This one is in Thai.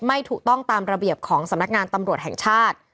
ไม่ถูกต้องตามระเบียบของสำนักงานตำรวจแห่งชาติ